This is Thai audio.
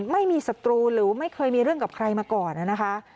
ศัตรูหรือไม่เคยมีเรื่องกับใครมาก่อนนะคะ